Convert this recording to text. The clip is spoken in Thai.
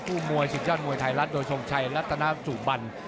มวยศึกยอดมวยไทยรัฐโดยทรงชัยรัตนาจุบัน